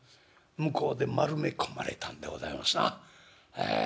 向こうで丸め込まれたんでございますな。ええ」。